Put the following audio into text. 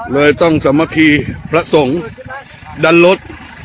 เลยต้องสามัคคีพระสงฆ์ดันรถ